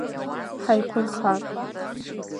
Ҳаиқәырха!